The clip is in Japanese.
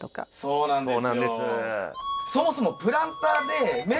そうなんです。